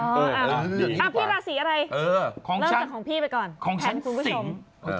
เออเอาพี่ราศีอะไรเริ่มจากของพี่ไปก่อนแผนคุณผู้ชม